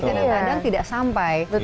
karena kadang kadang tidak sampai